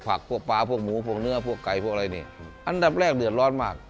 ผักผลักอันดับแรกเหลือร้อนมาก